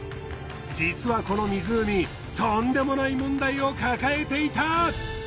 実はこの湖とんでもない問題を抱えていた。